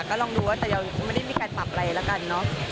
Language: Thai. ก็ลองดูว่าแต่ยังไม่ได้มีการปรับอะไรแล้วกันเนอะ